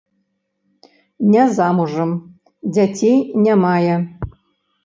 Не замужам, дзяцей не мае.